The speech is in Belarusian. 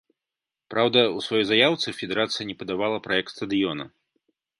Праўда, у сваёй заяўцы федэрацыя не падавала праект стадыёна.